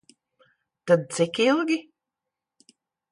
Tad cik ilgi?